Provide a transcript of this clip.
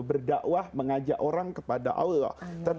berdakwah mengajak orang kepada allah